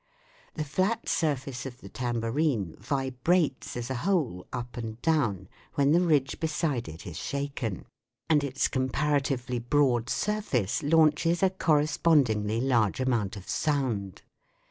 The flat surface of the tambourine vibrates as a whole up and down when the ridge beside it is shaken, and its compara F|G> SI< tively broad surface launches a correspondingly large amount of sound.